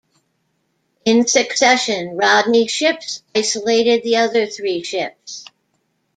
In succession, Rodney's ships isolated the other three ships.